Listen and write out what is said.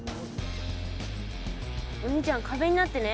お兄ちゃん壁になってね。